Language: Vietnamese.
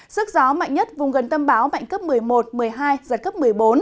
sức gió mạnh nhất vùng gần tâm bão mạnh cấp một mươi một một mươi hai giật cấp một mươi bốn